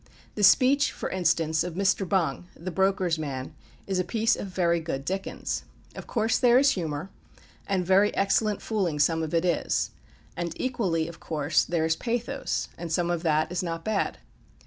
The speech, for instance, of Mr. Bung, the broker's man, is a piece of very good Dickens. Of course there is humour, and very excellent fooling some of it is; and equally, of course, there is pathos, and some of that is not bad.